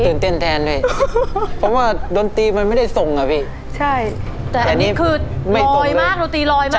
เต้นแทนด้วยเพราะว่าดนตรีมันไม่ได้ส่งอ่ะพี่ใช่แต่อันนี้คือลอยมากดนตรีลอยมาก